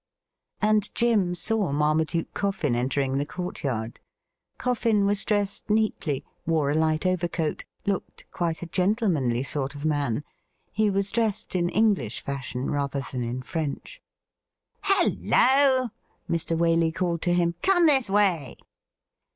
And Jim saw Marmaduke Coffin entering the courtyard. Coffin was dressed neatly, wore a light overcoat, looked quite a gentlemanly sort of man. He was dressed in English fashion rather than in French. ' Hello !' Mr. Waley called to him ;' come this way.'